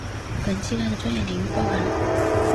本期刊的专业领域包含